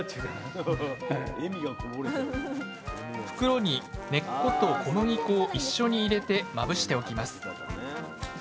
袋に根っこと小麦粉を一緒に入れてまぶしておきます。